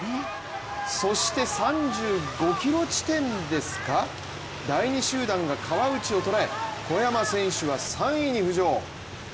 そして３５ｋｍ地点ですか第２集団が川内を捉え小山選手は３位に浮上。